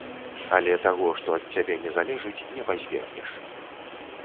Але таго, што ад цябе не залежыць, не пазбегнеш.